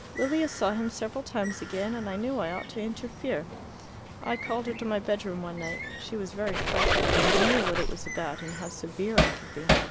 "Lilia saw him several times again, and I knew I ought to interfere. I called her to my bedroom one night. She was very frightened, for she knew what it was about and how severe I could be.